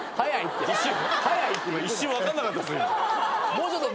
もうちょっと。